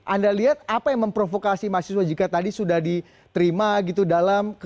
anda lihat apa yang memprovokasi mahasiswa jika tadi sudah diterima gitu dalam